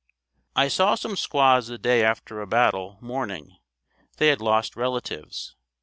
I saw some squaws the day after a battle, mourning. They had lost relatives.